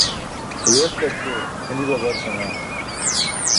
Huyeltarćo kʰani babar senaa.